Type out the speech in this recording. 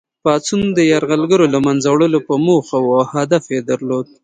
پاڅون د یرغلګرو له منځه وړلو په موخه وو او هدف یې درلود.